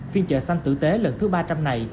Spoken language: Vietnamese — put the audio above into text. phiên chợ xanh tử tế lần thứ ba trăm linh này